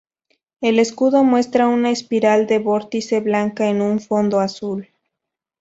El escudo muestra una espiral de vórtice blanca en un fondo azul.